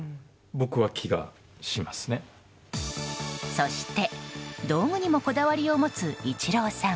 そして、道具にもこだわりを持つイチローさん。